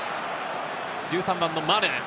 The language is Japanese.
１３番のマヌ。